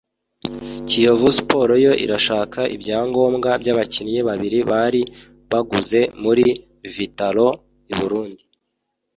Kiyovu Sports yo iracyashaka ibyangombwa by’abakinnyi babiri bari baguze muri Vital’O iBurundi